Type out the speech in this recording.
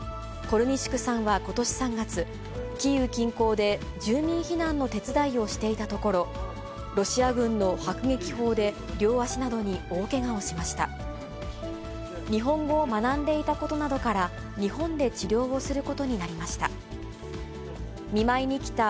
コルニシュクさんはことし３月、キーウ近郊で住民避難の手伝いをしていたところ、ロシア軍の迫撃砲で、両足などに大けがをしました。